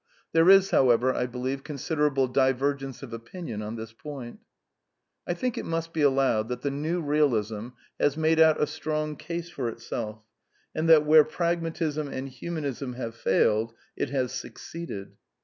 There is, however, I be lieve, considerable divergence of opinion on this point. I think it must be allowed that the New Bealism has ./ made out a strong case for itself, and that where Pragma tism and Humanism have failed it has succeeded.